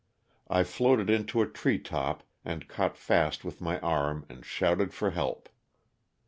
I floated into a tree top and caught fast with my arm and shouted for help.